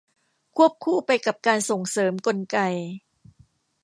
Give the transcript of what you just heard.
ควบคู่ไปกับการส่งเสริมกลไก